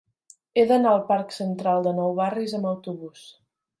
He d'anar al parc Central de Nou Barris amb autobús.